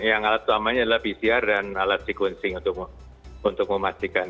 yang alat utamanya adalah pcr dan alat sequencing untuk memastikan